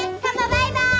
バイバイ。